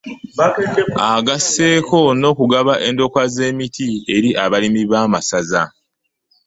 Agasseeko n'okugaba endokwa z'emiti eri abaami b'amasaza